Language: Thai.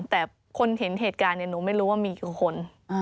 แต่คนเห็นเหตุการณ์หนูไม่รู้ว่ามีกี่คน